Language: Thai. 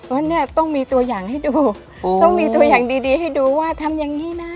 วันนี้ต้องมีตัวอย่างให้ดูต้องมีตัวอย่างดีดีให้ดูว่าทำอย่างนี้นะ